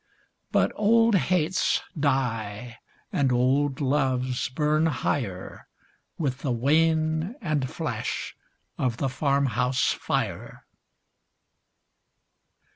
But old hates die and old loves burn higher With the wane and flash of the farmhouse fire.